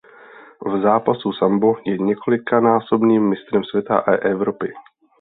V zápasu sambo je několikanásobným mistrem světa a Evropy.